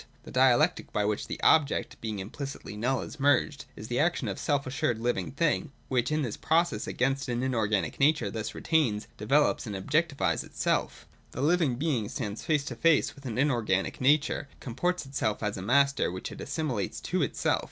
The dialectic by which the object, being implicitly null, is merged, is the action of the self assured Hving thing, which in this process against an inorganic nature thus retains, develops, and objectifies itself The living being stands face to face with an inorganic nature, to which it comports itself as a master and which it 219 221.] LIFE. 361 assimilates to itself.